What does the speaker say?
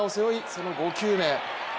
その５球目。